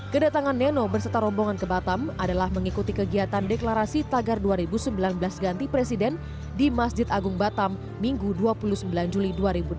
kedatangan neno berserta rombongan ke batam adalah mengikuti kegiatan deklarasi tagar dua ribu sembilan belas ganti presiden di masjid agung batam minggu dua puluh sembilan juli dua ribu dua puluh